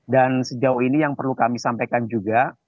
dan sejauh ini yang perlu kami sampaikan juga